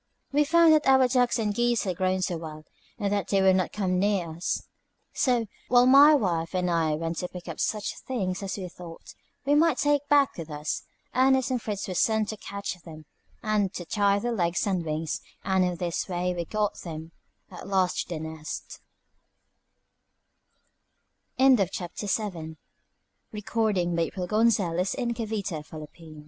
We found that our ducks and geese had grown so wild that they would not come near us; so, while my wife and I went to pick up such things as we thought we might take back with us, Ernest and Fritz were sent to catch them, and to tie their legs and wings, and in this way we got them at last to The Nest. CHAPTER VIII. IT took the whole of the next day to make a sle